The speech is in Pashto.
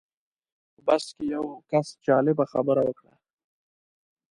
په بس کې یو کس جالبه خبره وکړه.